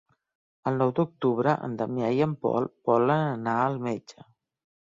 El nou d'octubre en Damià i en Pol volen anar al metge.